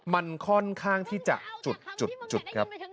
มันค่อนข้างที่จะจุดครับ